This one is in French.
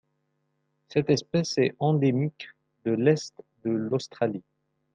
Cette espèce est endémique de l'Est de l'Australie.